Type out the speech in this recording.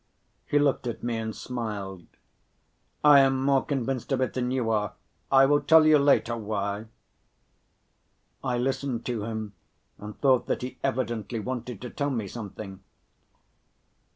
He looked at me and smiled. "I am more convinced of it than you are, I will tell you later why." I listened to him and thought that he evidently wanted to tell me something.